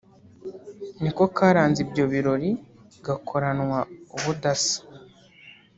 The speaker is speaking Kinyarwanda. niko karanze ibyo birori gakoranwa ubudasa